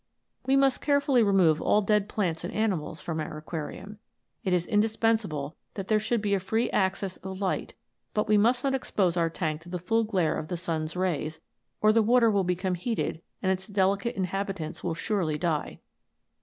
We must carefully remove all dead plants and animals from our aquarium. It is in* dispensable that there should be a free access of light, but we must not expose our tank to the full glare of the sun's rays, or the water will become heated, and its delicate inhabitants will surely die.